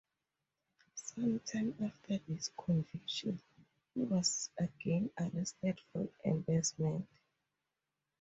Some time after this conviction, he was again arrested for embezzlement.